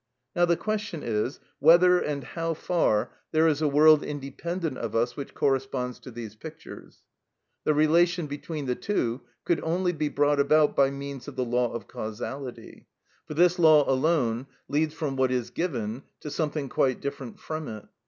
Now the question is, whether and how far there is a world independent of us which corresponds to these pictures. The relation between the two could only be brought about by means of the law of causality; for this law alone leads from what is given to something quite different from it.